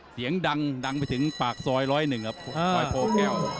เสียงดังดังไปถึงปากซอยร้อยหนึ่งครับปล่อยโพลแก้ว